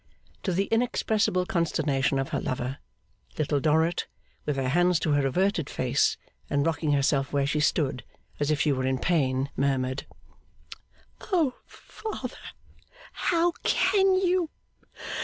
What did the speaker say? To the inexpressible consternation of her lover, Little Dorrit, with her hands to her averted face, and rocking herself where she stood as if she were in pain, murmured, 'O father, how can you!